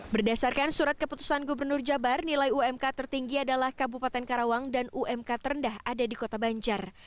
berdasarkan surat keputusan gubernur jabar nilai umk tertinggi adalah kabupaten karawang dan umk terendah ada di kota banjar